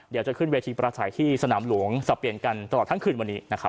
เดี๋ยวจะขึ้นเวทีประสัยที่สนามหลวงสับเปลี่ยนกันตลอดทั้งคืนวันนี้นะครับ